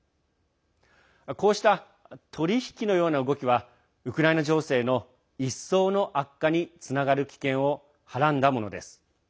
こうした取り引きのような動きはウクライナ情勢の一層の悪化につながる危険をはらんだものです。